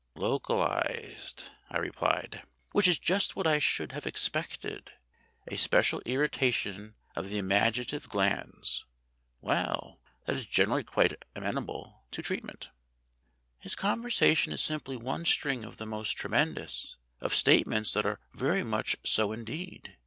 53 "Localized," I replied ; "which is just what I should have expected; a special irritation of the imaginative glands. Well, that is generally quite amenable to treatment." "His conversation is simply one string of the most tremendous of statements that are very much so indeed.